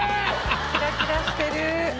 キラキラしてる。